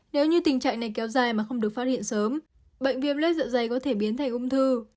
nếu như tình trạng này kéo dài mà không được phát hiện sớm bệnh viêm lết dạ dày có thể biến thành ung thư